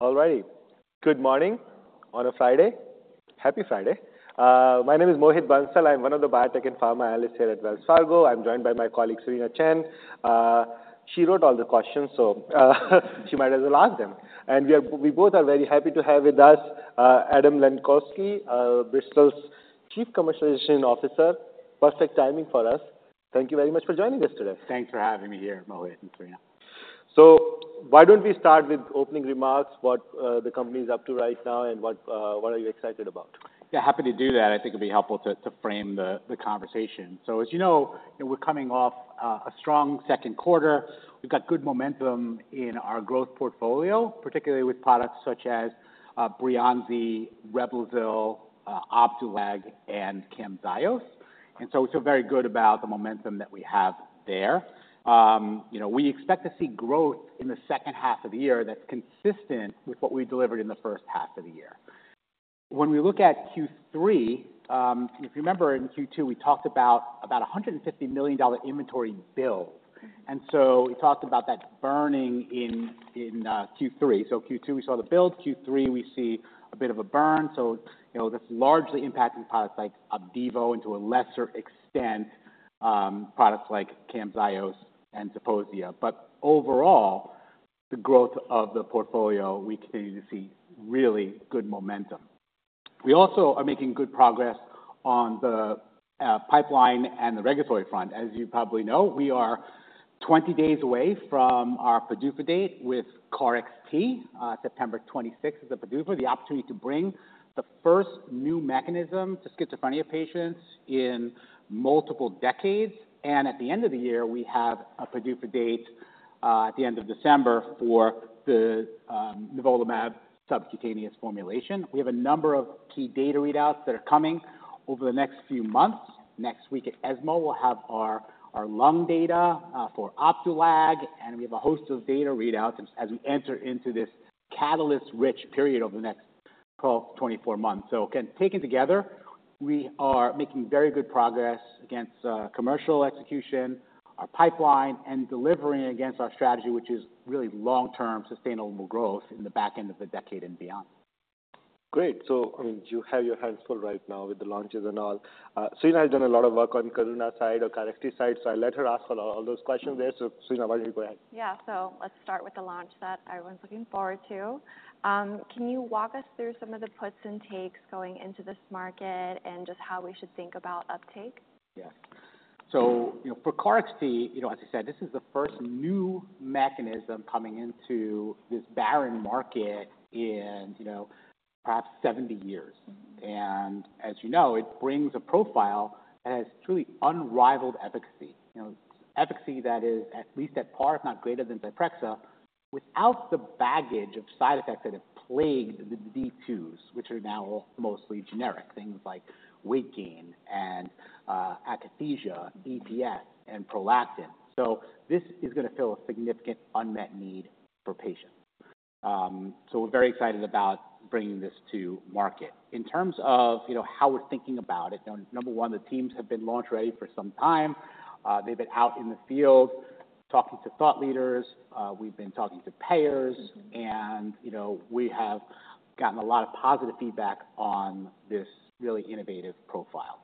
All righty. Good morning on a Friday. Happy Friday! My name is Mohit Bansal. I'm one of the biotech and pharma analysts here at Wells Fargo. I'm joined by my colleague, Cerena Chen. She wrote all the questions, so, she might as well ask them. We both are very happy to have with us, Adam Lenkowsky, Bristol's Chief Commercialization Officer. Perfect timing for us. Thank you very much for joining us today. Thanks for having me here, Mohit and Cerena. So why don't we start with opening remarks, what the company's up to right now and what are you excited about? Yeah, happy to do that. I think it'd be helpful to frame the conversation. So as you know, we're coming off a strong second quarter. We've got good momentum in our growth portfolio, particularly with products such as Breyanzi, REBLOZYL, Opdualag, and CAMZYOS. And so very good about the momentum that we have there. You know, we expect to see growth in the second half of the year that's consistent with what we delivered in the first half of the year. When we look at Q3, if you remember, in Q2, we talked about a $150 million inventory build, and so we talked about that burning in Q3. So Q2, we saw the build, Q3, we see a bit of a burn. You know, that's largely impacting products like OPDIVO, and to a lesser extent, products like CAMZYOS and ZEPOSIA. But overall, the growth of the portfolio, we continue to see really good momentum. We also are making good progress on the pipeline and the regulatory front. As you probably know, we are 20 days away from our PDUFA date with KarXT. September 26th is the PDUFA, the opportunity to bring the first new mechanism to schizophrenia patients in multiple decades, and at the end of the year, we have a PDUFA date at the end of December for the nivolumab subcutaneous formulation. We have a number of key data readouts that are coming over the next few months. Next week at ESMO, we'll have our lung data for Opdualag, and we have a host of data readouts as we enter into this catalyst-rich period over the next 12, 24 months. So again, taken together, we are making very good progress against commercial execution, our pipeline, and delivering against our strategy, which is really long-term sustainable growth in the back end of the decade and beyond. Great. So, I mean, you have your hands full right now with the launches and all. Cerena has done a lot of work on Karuna side or KarXT side, so I let her ask all those questions there. So Serena, why don't you go ahead? Yeah. So let's start with the launch that everyone's looking forward to. Can you walk us through some of the puts and takes going into this market and just how we should think about uptake? Yeah, so, you know, for KarXT, you know, as I said, this is the first new mechanism coming into this barren market in, you know, perhaps seventy years, and as you know, it brings a profile that has truly unrivaled efficacy. You know, efficacy that is at least at par, if not greater than Zyprexa, without the baggage of side effects that have plagued the D2s, which are now mostly generic. Things like weight gain and akathisia, EPS, and prolactin, so this is gonna fill a significant unmet need for patients, so we're very excited about bringing this to market. In terms of, you know, how we're thinking about it, number one, the teams have been launch-ready for some time. They've been out in the field talking to thought leaders, we've been talking to payers, and, you know, we have gotten a lot of positive feedback on this really innovative profile.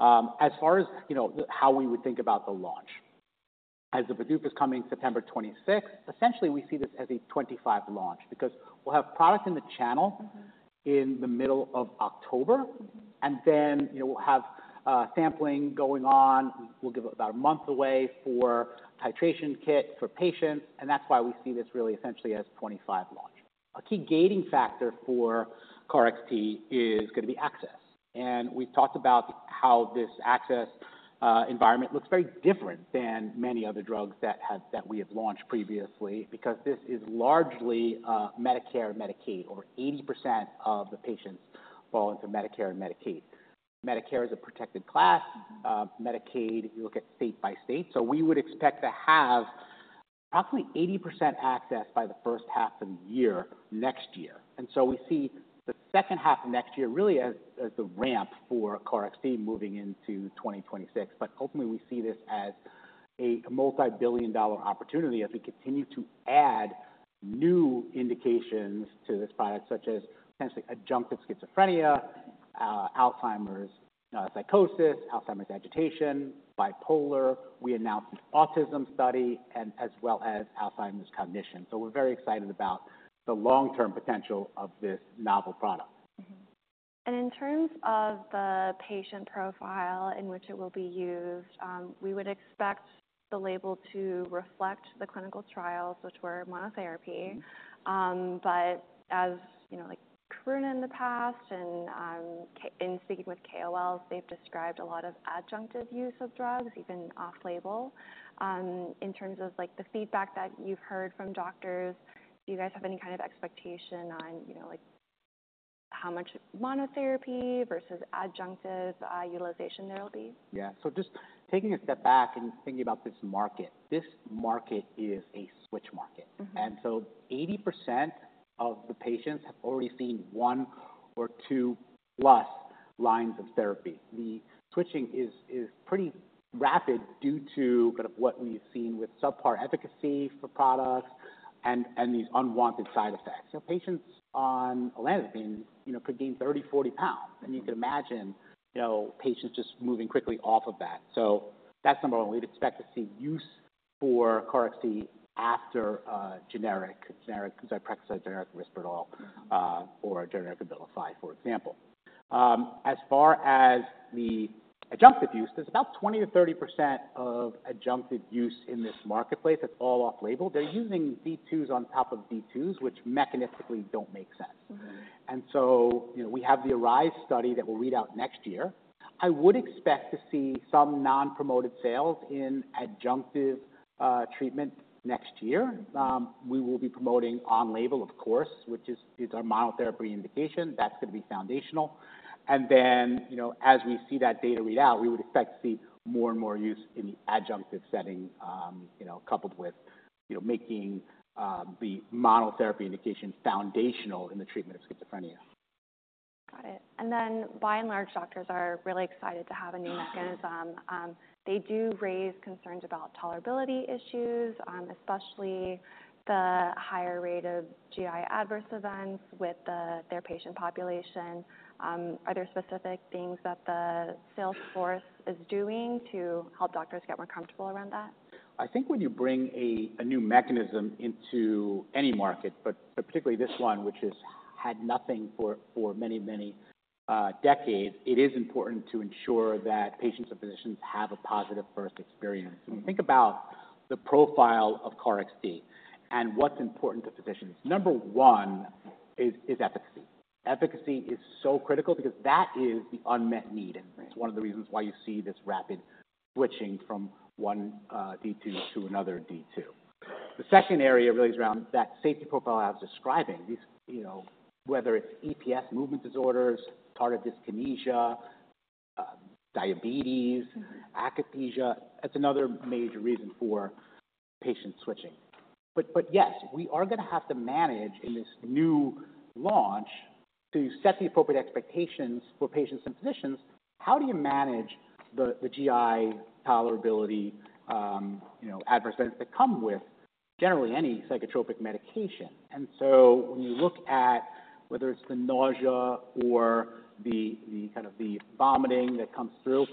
As far as you know, how we would think about the launch. As the PDUFA is coming September 26th, essentially we see this as a 2025 launch, because we'll have product in the channel in the middle of October, and then, you know, we'll have sampling going on. We'll give it about a month away for titration kit for patients, and that's why we see this really essentially as a 2025 launch. A key gating factor for KarXT is gonna be access, and we've talked about how this access environment looks very different than many other drugs that we have launched previously, because this is largely Medicare and Medicaid, or 80% of the patients fall into Medicare and Medicaid. Medicare is a protected class. Medicaid, you look at state by state. So we would expect to have roughly 80% access by the first half of the year next year, and so we see the second half of next year really as the ramp for KarXT moving into 2026. But ultimately, we see this as a multibillion-dollar opportunity as we continue to add new indications to this product, such as potentially adjunctive schizophrenia, Alzheimer's psychosis, Alzheimer's agitation, bipolar. We announced an autism study and as well as Alzheimer's cognition. So we're very excited about the long-term potential of this novel product. Mm-hmm. And in terms of the patient profile in which it will be used, we would expect the label to reflect the clinical trials, which were monotherapy. But as you know, like Karuna in the past and, in speaking with KOLs, they've described a lot of adjunctive use of drugs, even off-label. In terms of like the feedback that you've heard from doctors, do you guys have any kind of expectation on, you know, like how much monotherapy versus adjunctive utilization there will be? Yeah, so just taking a step back and thinking about this market, this market is a switch market. Mm-hmm. And so 80% of the patients have already seen one or two plus lines of therapy. The switching is pretty rapid due to kind of what we've seen with subpar efficacy for products and these unwanted side effects. You know, patients on olanzapine, you know, could gain 30-40 pounds, and you can imagine, you know, patients just moving quickly off of that. So that's number one. We'd expect to see use for Corxe after generic ziprasidone, generic Risperdal, or a generic Abilify, for example. As far as the adjunctive use, there's about 20% to 30% of adjunctive use in this marketplace that's all off-label. They're using D2s on top of D2s, which mechanistically don't make sense. Mm-hmm. You know, we have the ARISE study that will read out next year. I would expect to see some non-promoted sales in adjunctive treatment next year. We will be promoting on-label, of course, which is our monotherapy indication. That's going to be foundational. You know, as we see that data read out, we would expect to see more and more use in the adjunctive setting, you know, coupled with making the monotherapy indication foundational in the treatment of schizophrenia. Got it. And then, by and large, doctors are really excited to have a new mechanism. They do raise concerns about tolerability issues, especially the higher rate of GI adverse events with the... their patient population. Are there specific things that the sales force is doing to help doctors get more comfortable around that? I think when you bring a new mechanism into any market, but particularly this one, which has had nothing for many decades, it is important to ensure that patients and physicians have a positive first experience. Mm-hmm. When you think about the profile of KarXT and what's important to physicians, number one is efficacy. Efficacy is so critical because that is the unmet need. Right. It's one of the reasons why you see this rapid switching from one, D2 to another D2. The second area really is around that safety profile I was describing. These, you know, whether it's EPS movement disorders, tardive dyskinesia, diabetes... Mm-hmm. Akathisia, that's another major reason for patients switching. But yes, we are gonna have to manage in this new launch to set the appropriate expectations for patients and physicians. How do you manage the GI tolerability, you know, adverse events that come with generally any psychotropic medication? And so when we look at whether it's the nausea or the kind of vomiting that comes through,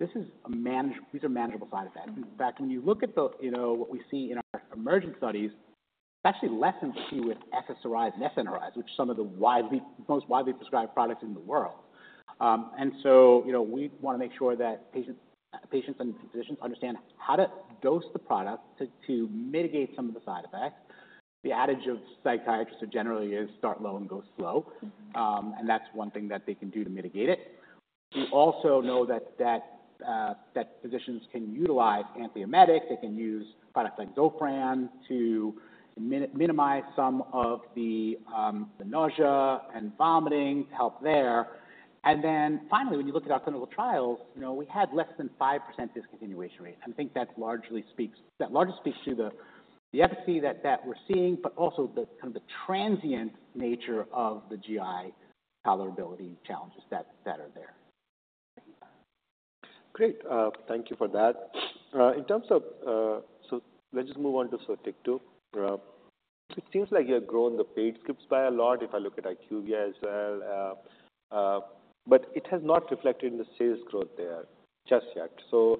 these are manageable side effects. Mm-hmm. In fact, when you look at the, you know, what we see in our emerging studies, it's actually less than we see with SSRIs and SNRIs, which are some of the most widely prescribed products in the world, and so, you know, we want to make sure that patients and physicians understand how to dose the product to mitigate some of the side effects. The adage of psychiatrists generally is start low and go slow. Mm-hmm. And that's one thing that they can do to mitigate it. We also know that physicians can utilize antiemetics. They can use products like Zofran to minimize some of the nausea and vomiting to help there. And then finally, when you look at our clinical trials, you know, we had less than 5% discontinuation rate, and I think that largely speaks to the efficacy that we're seeing, but also the kind of the transient nature of the GI tolerability challenges that are there. Great. Thank you for that. In terms of... So let's just move on to Sotyktu. It seems like you have grown the paid scripts by a lot if I look at IQVIA as well, but it has not reflected in the sales growth there just yet. So,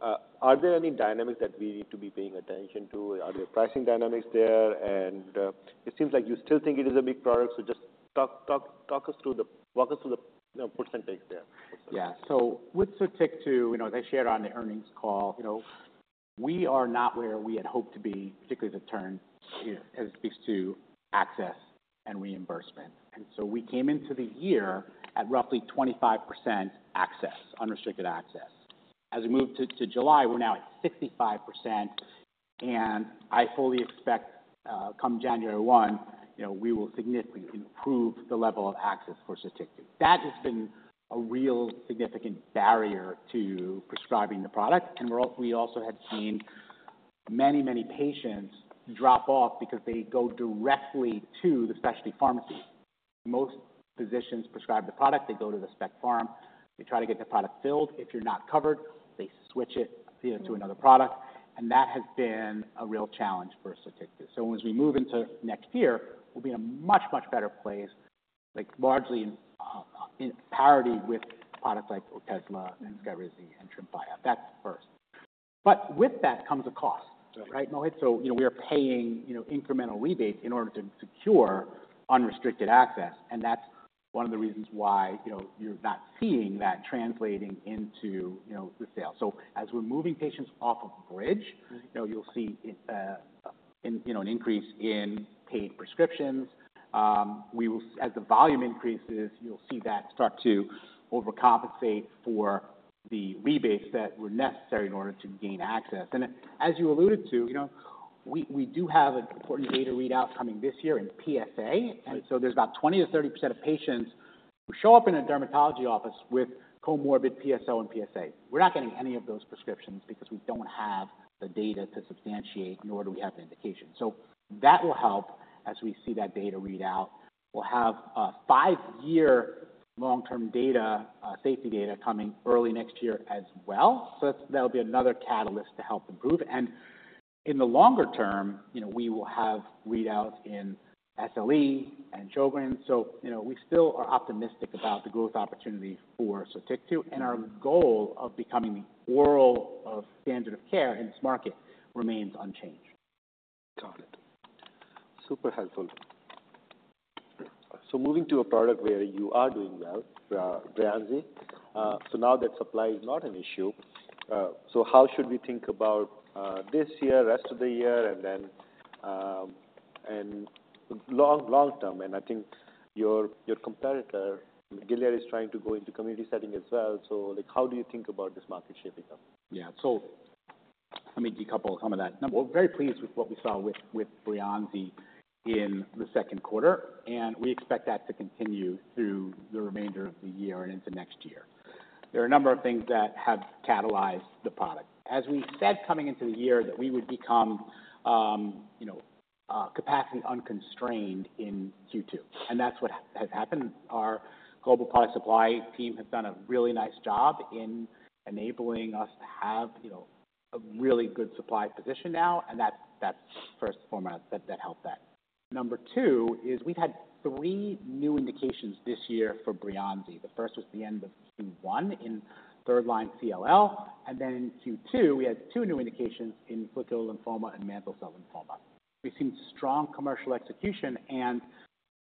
are there any dynamics that we need to be paying attention to? Are there pricing dynamics there? And, it seems like you still think it is a big product. So just walk us through the, you know, percentage there. Yeah. So with Sotyktu, you know, as I shared on the earnings call, you know, we are not where we had hoped to be, particularly the turn, as it speaks to access and reimbursement. And so we came into the year at roughly 25% access, unrestricted access. As we moved to, to July, we're now at 65%, and I fully expect, come January 1, you know, we will significantly improve the level of access for Sotyktu. That has been a real significant barrier to prescribing the product. And we're also have seen many, many patients drop off because they go directly to the specialty pharmacy. Most physicians prescribe the product, they go to the specialty pharmacy, they try to get the product filled. If you're not covered, they switch it, you know, to another product, and that has been a real challenge for Sotyktu. So as we move into next year, we'll be in a much, much better place, like largely in parity with products like Otezla and SKYRIZI and TREMFYA. That's first. But with that comes a cost- Right. Right, Mohit? So we are paying, you know, incremental rebates in order to secure unrestricted access, and that's one of the reasons why, you know, you're not seeing that translating into, you know, the sales. So as we're moving patients off of bridge- Right. You know, you'll see an increase in paid prescriptions. We will, as the volume increases, you'll see that start to overcompensate for the rebates that were necessary in order to gain access. And as you alluded to, you know, we do have an important data readout coming this year in PSA. And so there's about 20%-30% of patients who show up in a dermatology office with comorbid PSO and PSA. We're not getting any of those prescriptions because we don't have the data to substantiate, nor do we have the indication. So that will help as we see that data read out. We'll have a five-year long-term data, safety data coming early next year as well. So that'll be another catalyst to help improve. And in the longer term, you know, we will have readouts in SLE and Sjögren. So, you know, we still are optimistic about the growth opportunity for Sotyktu, and our goal of becoming the oral standard of care in this market remains unchanged. Got it. Super helpful. So moving to a product where you are doing well, Breyanzi. So now that supply is not an issue, so how should we think about, this year, rest of the year, and then, and long, long term? And I think your competitor, Gilead, is trying to go into community setting as well. So, like, how do you think about this market shaping up? Yeah, so let me decouple some of that. Number one, we're very pleased with what we saw with Breyanzi in the second quarter, and we expect that to continue through the remainder of the year and into next year. There are a number of things that have catalyzed the product. As we said, coming into the year, that we would become, you know, capacity unconstrained in Q2, and that's what has happened. Our global product supply team has done a really nice job in enabling us to have, you know, a really good supply position now, and that's first and foremost, that helped that. Number two is we've had three new indications this year for Breyanzi. The first was the end of Q1 in third line CLL, and then in Q2, we had two new indications in follicular lymphoma and mantle cell lymphoma. We've seen strong commercial execution, and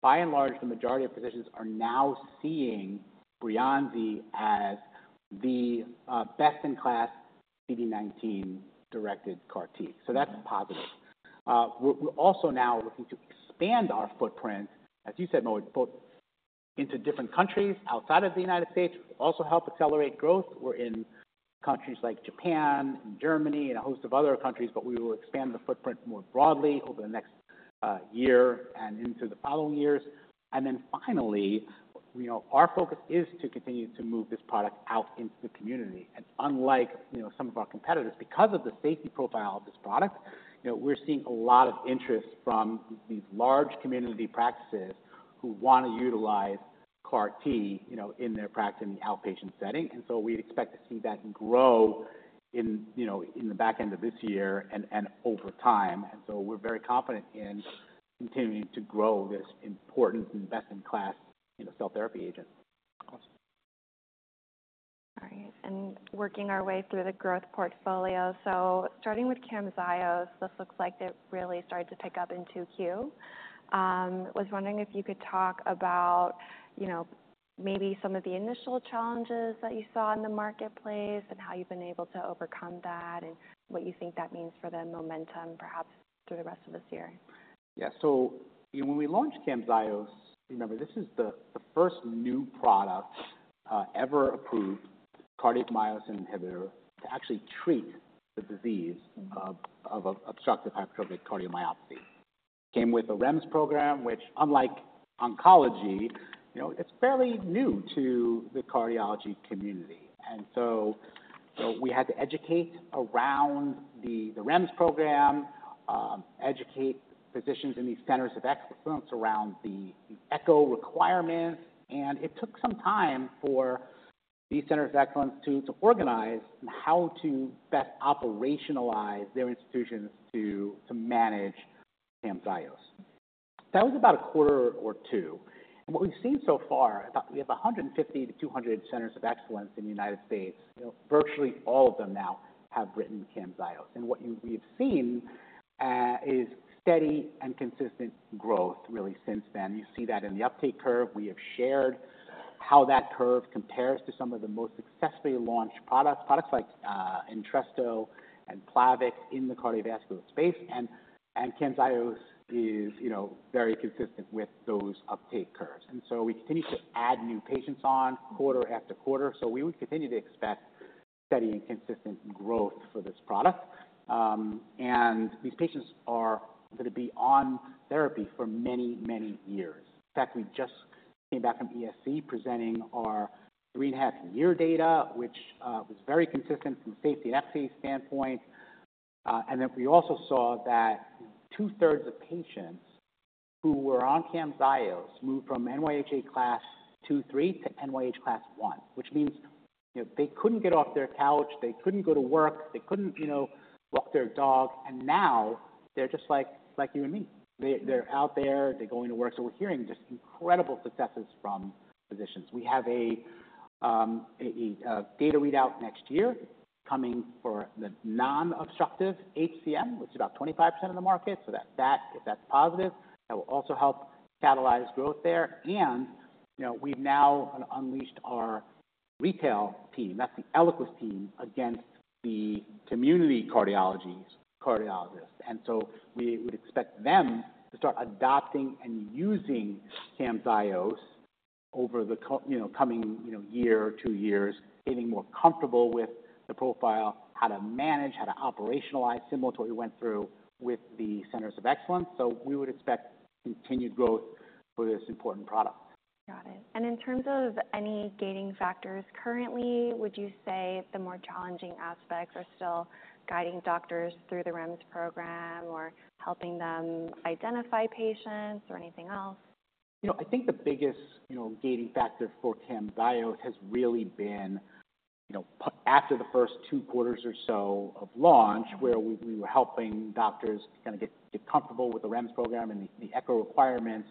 by and large, the majority of physicians are now seeing Breyanzi as the best-in-class CD19 directed CAR T. So that's positive. We're also now looking to expand our footprint, as you said, Mohit, both into different countries outside of the United States, will also help accelerate growth. We're in countries like Japan and Germany and a host of other countries, but we will expand the footprint more broadly over the next year and into the following years. And then finally, you know, our focus is to continue to move this product out into the community. And unlike, you know, some of our competitors, because of the safety profile of this product, you know, we're seeing a lot of interest from these large community practices who want to utilize CAR T, you know, in their practice, in the outpatient setting. And so we expect to see that grow in, you know, in the back end of this year and over time. And so we're very confident in continuing to grow this important and best-in-class, you know, cell therapy agent. Awesome. All right. And working our way through the growth portfolio. So starting with CAMZYOS, this looks like it really started to pick up in 2Q. Was wondering if you could talk about, you know, maybe some of the initial challenges that you saw in the marketplace, and how you've been able to overcome that, and what you think that means for the momentum, perhaps through the rest of this year? Yeah. So when we launched CAMZYOS, remember, this is the first new product ever approved, cardiac myosin inhibitor, to actually treat the disease- Mm-hmm. of obstructive hypertrophic cardiomyopathy. Came with a REMS program, which unlike oncology, you know, it's fairly new to the cardiology community. And so we had to educate around the REMS program, educate physicians in these centers of excellence around the echo requirements. And it took some time for these centers of excellence to organize on how to best operationalize their institutions to manage CAMZYOS. That was about a quarter or two. And what we've seen so far. We have a 150-200 centers of excellence in the United States. You know, virtually all of them now have written CAMZYOS. And what you've seen, we've seen, is steady and consistent growth really since then. You see that in the uptake curve. We have shared how that curve compares to some of the most successfully launched products, products like Entresto and Plavix in the cardiovascular space. And CAMZYOS is, you know, very consistent with those uptake curves. And so we continue to add new patients on quarter after quarter. So we would continue to expect steady and consistent growth for this product. And these patients are going to be on therapy for many, many years. In fact, we just came back from ESC, presenting our three and a half year data, which was very consistent from safety and efficacy standpoint. And then we also saw that two-thirds of patients who were on CAMZYOS moved from NYHA Class two, three to NYHA Class one, which means, you know, they couldn't get off their couch, they couldn't go to work, they couldn't, you know, walk their dog, and now they're just like you and me. They're out there, they're going to work. So we're hearing just incredible successes from physicians. We have a data readout next year coming for the non-obstructive HCM, which is about 25% of the market. So that if that's positive, that will also help catalyze growth there. And, you know, we've now unleashed our retail team, that's the Eliquis team, against the community cardiologists. And so we would expect them to start adopting and using CAMZYOS. over the coming, you know, year or two years, getting more comfortable with the profile, how to manage, how to operationalize, similar to what we went through with the centers of excellence, so we would expect continued growth for this important product. Got it. And in terms of any gating factors currently, would you say the more challenging aspects are still guiding doctors through the REMS program or helping them identify patients or anything else? You know, I think the biggest, you know, gating factor for CAMZYOS has really been, you know, after the first two quarters or so of launch- Mm-hmm. -where we were helping doctors kinda get comfortable with the REMS program and the echo requirements,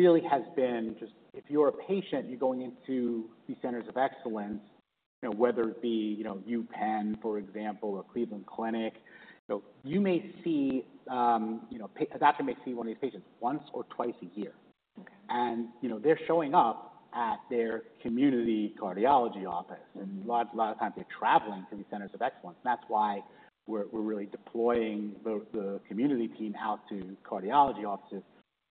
really has been just if you're a patient, you're going into these centers of excellence, you know, whether it be, you know, UPenn, for example, or Cleveland Clinic. So you may see, you know, a doctor may see one of these patients once or twice a year. Okay. You know, they're showing up at their community cardiology office, and a lot, a lot of times they're traveling to these centers of excellence. That's why we're, we're really deploying the, the community team out to cardiology offices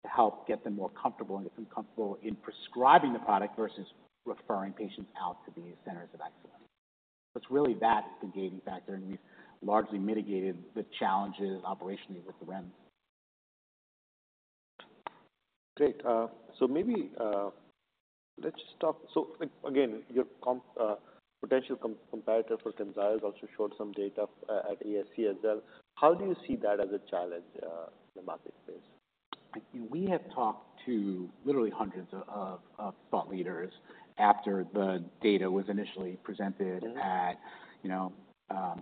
to help get them more comfortable, and get them comfortable in prescribing the product versus referring patients out to these centers of excellence. It's really that, the gating factor, and we've largely mitigated the challenges operationally with the REMS. Great, so maybe let's just talk. So, like, again, your comp, potential competitor for CAMZYOS also showed some data at ESC as well. How do you see that as a challenge in the marketplace? I think we have talked to literally hundreds of thought leaders after the data was initially presented. Mm-hmm. that, you know,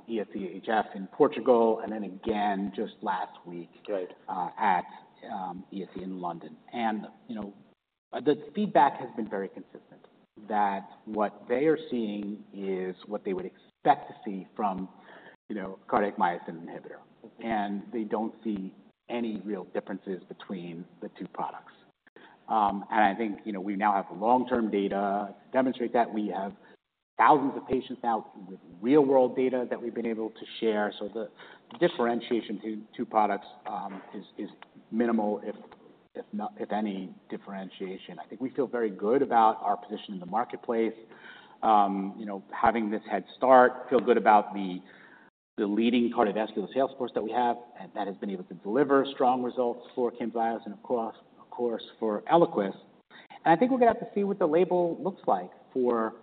ESC HF in Portugal, and then again just last week- Good... at ESC in London. And, you know, the feedback has been very consistent, that what they are seeing is what they would expect to see from, you know, cardiac myosin inhibitor. Okay. They don't see any real differences between the two products. I think, you know, we now have the long-term data to demonstrate that. We have thousands of patients out with real-world data that we've been able to share. So the differentiation between two products is minimal, if not, if any differentiation. I think we feel very good about our position in the marketplace. You know, having this head start, we feel good about the leading cardiovascular sales force that we have, and that has been able to deliver strong results for CAMZYOS and, of course, for Eliquis. I think we're gonna have to see what the label looks like for,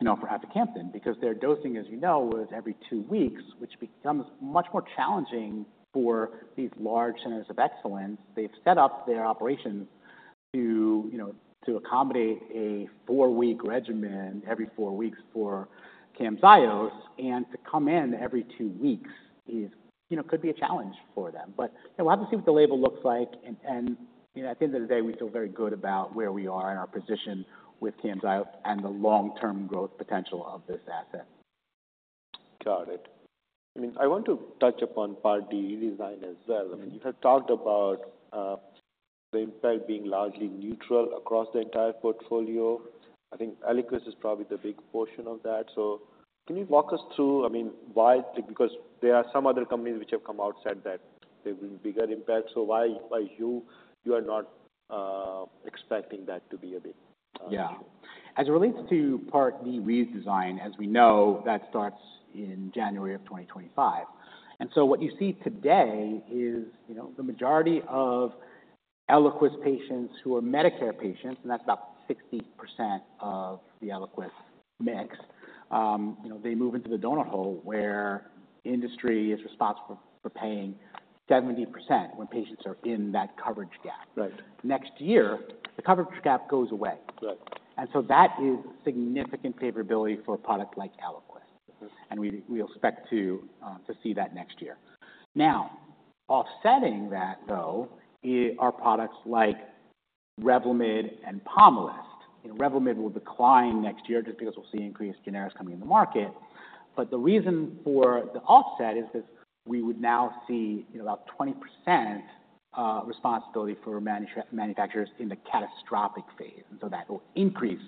you know, for aficamten, because their dosing, as you know, was every two weeks, which becomes much more challenging for these large centers of excellence. They've set up their operations to, you know, to accommodate a four-week regimen every four weeks for CAMZYOS, and to come in every two weeks is, you know, could be a challenge for them. But we'll have to see what the label looks like, and you know, at the end of the day, we feel very good about where we are and our position with CAMZYOS and the long-term growth potential of this asset. Got it. I mean, I want to touch upon Part D redesign as well. Mm-hmm. I mean, you have talked about the impact being largely neutral across the entire portfolio. I think Eliquis is probably the big portion of that. So can you walk us through, I mean, why? Because there are some other companies which have come out, said that there will be bigger impact, so why you are not expecting that to be a big issue? Yeah. As it relates to Part D redesign, as we know, that starts in January of 2025. And so what you see today is, you know, the majority of Eliquis patients who are Medicare patients, and that's about 60% of the Eliquis mix, you know, they move into the donut hole, where industry is responsible for paying 70% when patients are in that coverage gap. Right. Next year, the coverage gap goes away. Right. That is significant favorability for a product like Eliquis. Mm-hmm. We expect to see that next year. Now, offsetting that, though, are our products like REVLIMID and Pomalyst. REVLIMID will decline next year just because we'll see increased generics coming in the market. But the reason for the offset is that we would now see, you know, about 20% responsibility for manufacturers in the catastrophic phase, and so that will increase-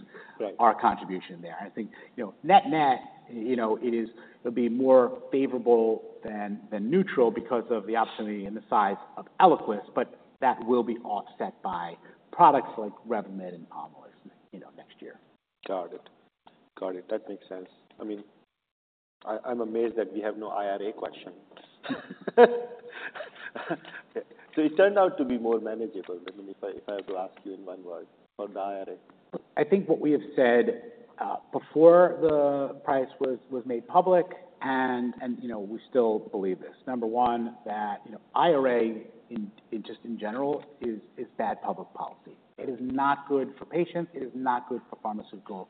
Right... our contribution there. I think, you know, net-net, you know, it is, will be more favorable than, than neutral because of the opportunity and the size of Eliquis, but that will be offset by products like REVLIMID and Pomalyst, you know, next year. Got it. That makes sense. I mean, I'm amazed that we have no IRA question. So it turned out to be more manageable than if I have to ask you in one word about the IRA. I think what we have said before the price was made public, and you know, we still believe this: number one, that you know IRA just in general is bad public policy. It is not good for patients, it is not good for pharmaceutical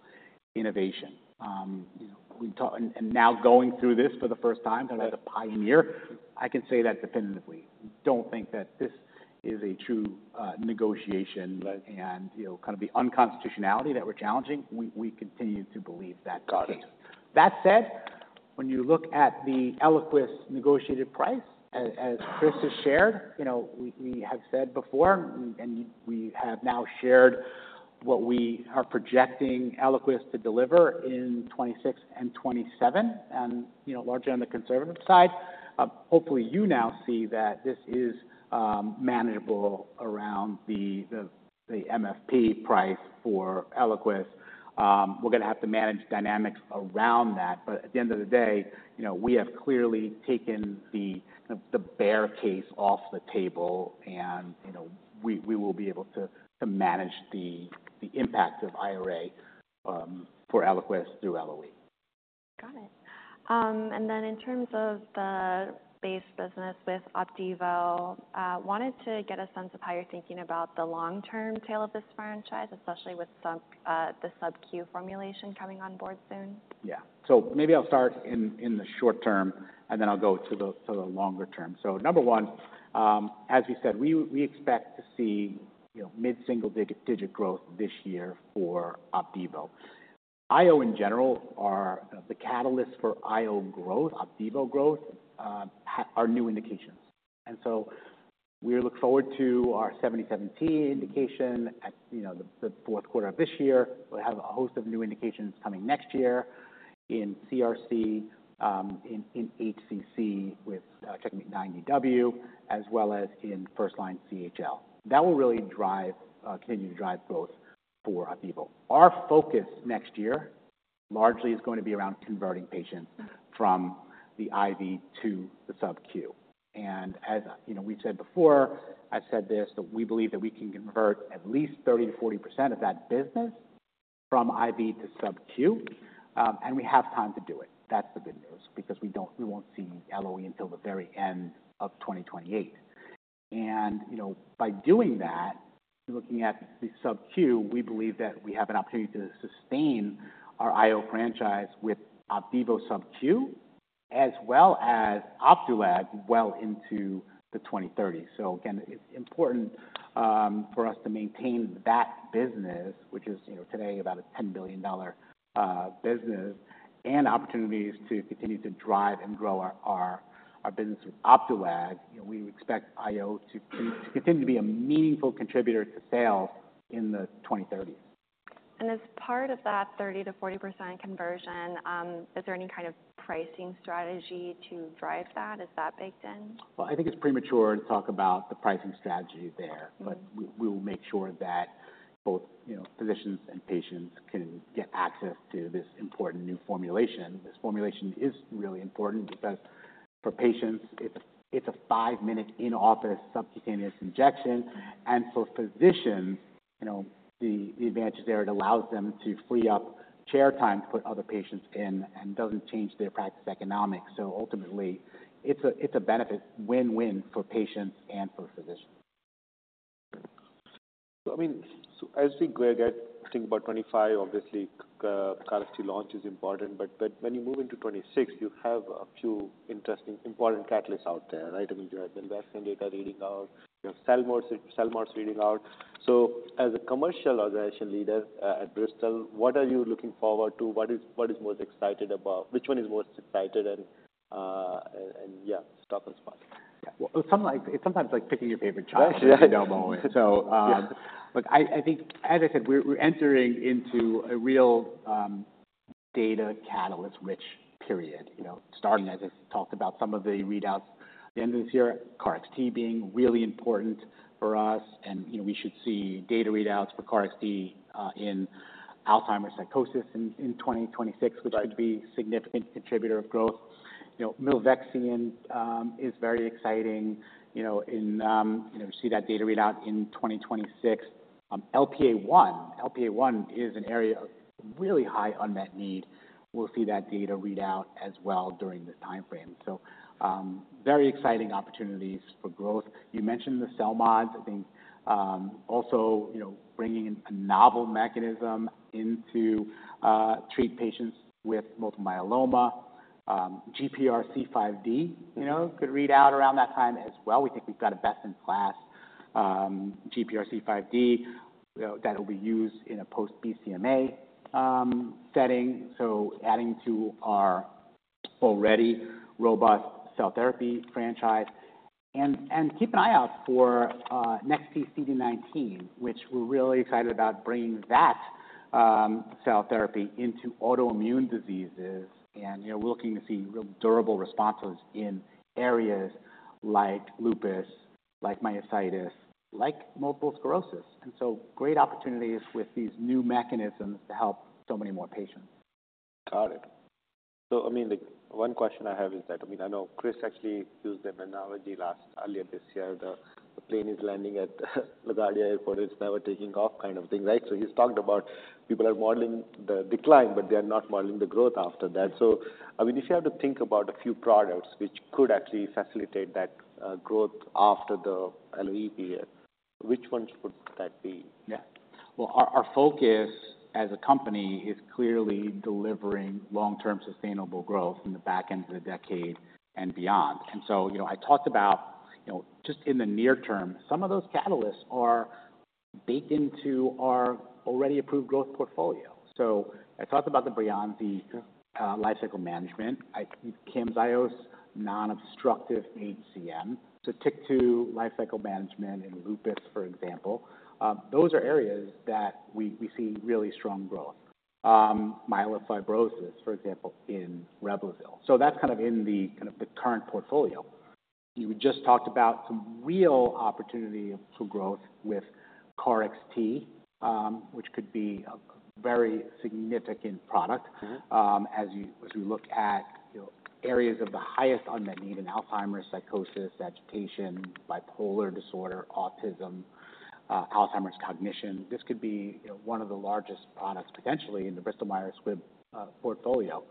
innovation. You know, we talk, and now going through this for the first time- Right as a pioneer, I can say that definitively. We don't think that this is a true negotiation. And, you know, kind of the unconstitutionality that we're challenging, we continue to believe that case. Got it. That said, when you look at the Eliquis negotiated price, as Chris has shared, you know, we have said before, and we have now shared what we are projecting Eliquis to deliver in 2026 and 2027, and, you know, largely on the conservative side. Hopefully, you now see that this is manageable around the MFP price for Eliquis. We're gonna have to manage dynamics around that, but at the end of the day, you know, we have clearly taken the bear case off the table, and, you know, we will be able to manage the impact of IRA for Eliquis through LOE. Got it. And then in terms of the base business with OPDIVO, wanted to get a sense of how you're thinking about the long-term tail of this franchise, especially with the sub-Q formulation coming on board soon. Yeah. So maybe I'll start in the short term, and then I'll go to the longer term. So number one, as we said, we expect to see, you know, mid-single digit growth this year for OPDIVO. IO, in general, are the catalyst for IO growth, OPDIVO growth, are new indications. And so we look forward to our CheckMate-77T indication at, you know, the fourth quarter of this year. We'll have a host of new indications coming next year in CRC, in HCC with CheckMate-9DW, as well as in first-line CLL. That will really drive, continue to drive growth for OPDIVO. Our focus next year largely is going to be around converting patients from the IV to the subQ. As you know, we've said before, I've said this, that we believe that we can convert at least 30%-40% of that business from IV to subQ, and we have time to do it. That's the good news, because we won't see LOE until the very end of 2028. You know, by doing that, looking at the subQ, we believe that we have an opportunity to sustain our IO franchise with OPDIVO subQ, as well as Opdualag, well into the 2030s. Again, it's important for us to maintain that business, which is, you know, today about a $10 billion business, and opportunities to continue to drive and grow our business with Opdualag. We expect IO to continue to be a meaningful contributor to sales in the 2030s. As part of that 30%-40% conversion, is there any kind of pricing strategy to drive that? Is that baked in? I think it's premature to talk about the pricing strategy there. Mm-hmm. But we will make sure that both, you know, physicians and patients can get access to this important new formulation. This formulation is really important because for patients, it's a five-minute in-office subcutaneous injection. And for physicians, you know, the advantage there, it allows them to free up chair time to put other patients in and doesn't change their practice economics. So ultimately, it's a benefit win-win for patients and for physicians. I mean, so as we get, I think, about 2025, obviously, CAR T launch is important, but when you move into 2026, you have a few interesting, important catalysts out there, right? I mean, you have the Western data reading out, you have CELMoDs, CELMoDs reading out. So as a commercial organization leader at Bristol, what are you looking forward to? What is, what is most excited about? Which one is most excited and, and stop and spot. Yeah. Well, sometimes it's like picking your favorite child. You know, always. Yeah. But I think, as I said, we're entering into a real data catalyst-rich period, you know, starting, as I talked about, some of the readouts the end of this year, KarXT being really important for us. And, you know, we should see data readouts for KarXT in Alzheimer's psychosis in 2026- Right. -which could be a significant contributor of growth. You know, Milvexian is very exciting, you know, we see that data readout in 2026. LPA1. LPA1 is an area of really high unmet need. We'll see that data readout as well during this timeframe. So, very exciting opportunities for growth. You mentioned the CELMoDs. I think, also, you know, bringing a novel mechanism into treat patients with multiple myeloma. GPRC5D, you know, could read out around that time as well. We think we've got a best-in-class GPRC5D, you know, that will be used in a post-BCMA setting, so adding to our already robust cell therapy franchise. And keep an eye out for CD19 NEX-T, which we're really excited about bringing that cell therapy into autoimmune diseases. You know, we're looking to see real durable responses in areas like lupus, like myositis, like multiple sclerosis. So great opportunities with these new mechanisms to help so many more patients. Got it. So, I mean, the one question I have is that, I mean, I know Chris actually used the analogy last, earlier this year, the plane is landing at LaGuardia Airport, it's never taking off, kind of thing, right? So he's talked about people are modeling the decline, but they are not modeling the growth after that. So, I mean, if you have to think about a few products which could actually facilitate that, growth after the LOE period? Which ones would that be? Yeah. Well, our focus as a company is clearly delivering long-term sustainable growth in the back end of the decade and beyond. And so, you know, I talked about, you know, just in the near term, some of those catalysts are baked into our already approved growth portfolio. So I talked about the Breyanzi lifecycle management, CAMZYOS, non-obstructive HCM. So Sotyktu lifecycle management in lupus, for example, those are areas that we see really strong growth. Myelofibrosis, for example, in REBLOZYL. So that's kind of in the current portfolio. You just talked about some real opportunity for growth with KarXT, which could be a very significant product. Mm-hmm. As you look at, you know, areas of the highest unmet need in Alzheimer's, psychosis, agitation, bipolar disorder, autism, Alzheimer's, cognition, this could be, you know, one of the largest products potentially in the Bristol Myers Squibb portfolio.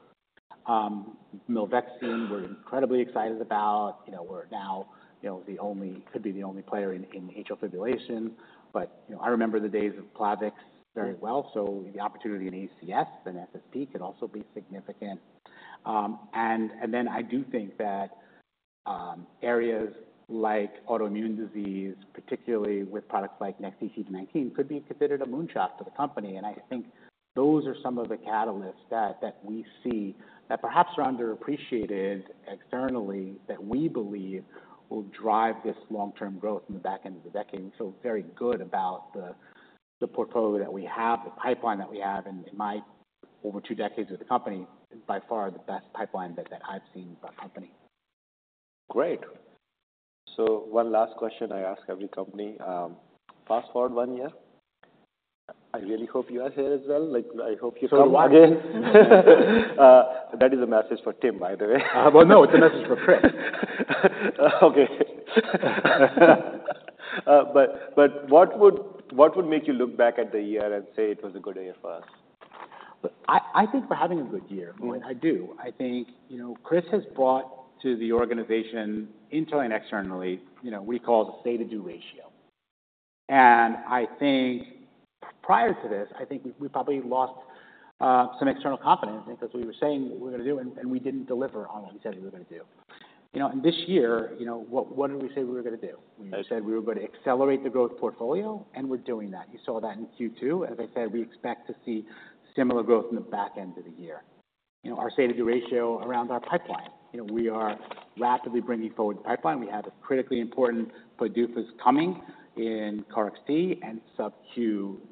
Milvexian, we're incredibly excited about. You know, we're now, you know, the only, could be the only player in atrial fibrillation. But, you know, I remember the days of Plavix very well, so the opportunity in ACS and SSP could also be significant. And then I do think that areas like autoimmune disease, particularly with products like CD19 NEX-T, could be considered a moonshot for the company. I think those are some of the catalysts that we see, that perhaps are underappreciated externally, that we believe will drive this long-term growth in the back end of the decade. Very good about the portfolio that we have, the pipeline that we have, and in my over two decades with the company, is by far the best pipeline that I've seen for our company. Great. So one last question I ask every company. Fast-forward one year, I really hope you are here as well, like, I hope you come again. That is a message for Tim, by the way. No, it's a message for Chris. Okay. But what would make you look back at the year and say it was a good year for us? Look, I think we're having a good year, Mohit. I do. I think, you know, Chris has brought to the organization, internally and externally, you know, what we call the say-to-do ratio. And I think prior to this, I think we probably lost some external confidence because we were saying what we're gonna do and we didn't deliver on what we said we were gonna do. You know, and this year, you know, what did we say we were gonna do? Right. We said we were gonna accelerate the growth portfolio, and we're doing that. You saw that in Q2. As I said, we expect to see similar growth in the back end of the year. You know, our say-to-do ratio around our pipeline. You know, we are rapidly bringing forward the pipeline. We have a critically important PDUFAs coming in KarXT and SubQ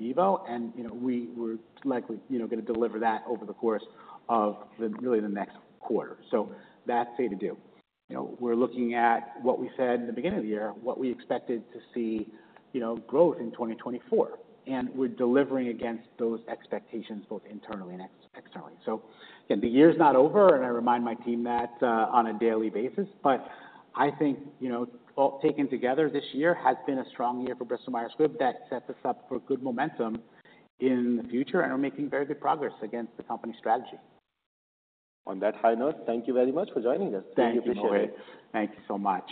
OPDIVO, and, you know, we were likely, you know, gonna deliver that over the course of really the next quarter. So that's say-to-do. You know, we're looking at what we said in the beginning of the year, what we expected to see, you know, growth in 2024, and we're delivering against those expectations, both internally and externally. Again, the year's not over, and I remind my team that, on a daily basis, but I think, you know, all taken together, this year has been a strong year for Bristol Myers Squibb. That sets us up for good momentum in the future, and we're making very good progress against the company strategy. On that high note, thank you very much for joining us. Thank you, Mohit. We appreciate it. Thank you so much.